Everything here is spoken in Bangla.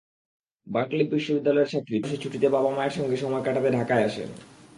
বার্কলি বিশ্ববিদ্যালয়ের ছাত্রী তারুশি ছুটিতে বাবা-মায়ের সঙ্গে সময় কাটাতে ঢাকায় আসেন।